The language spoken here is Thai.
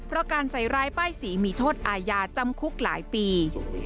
เพราะการใส่ร้ายป้ายสีมีโทษอาญาจำคุกหลายปี